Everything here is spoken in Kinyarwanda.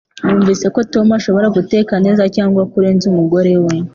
Numvise ko Tom ashobora guteka neza cyangwa kurenza umugore we